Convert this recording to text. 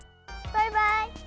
バイバイ！